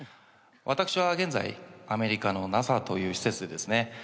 私は現在アメリカのＮＡＳＡという施設でですね